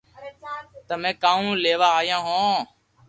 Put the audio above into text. تمي ڪاؤ ليوا آيا ھون